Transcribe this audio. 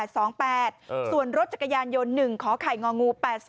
ส่วนรถจักรยานยนต์๑ขอไข่งองู๘๒